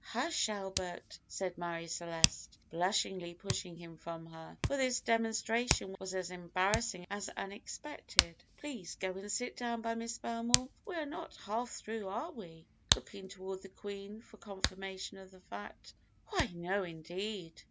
"Hush, Albert," said Marie Celeste, blushingly pushing him from her, for this demonstration was as embarrassing as unexpected; "please go and sit down by Miss Belmore, for we are not half through, are we?" looking toward the Queen for confirmation of the fact. "Why, no indeed!